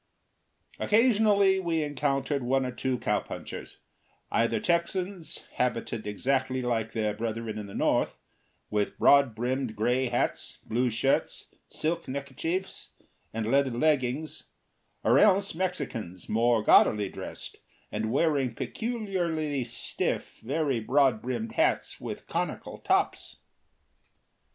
Occasionally we encountered one or two cowpunchers: either Texans, habited exactly like their brethren in the North, with broad brimmed gray hats, blue shirts, silk neckerchiefs, and leather leggings; or else Mexicans, more gaudily dressed, and wearing peculiarly stiff, very broad brimmed hats with conical tops.